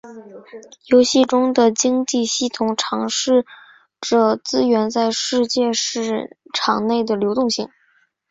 游戏中的经济系统尝试着资源在世界市场内的流动性。